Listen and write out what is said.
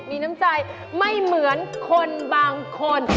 มีน้ำใจไม่เหมือนคนบางคน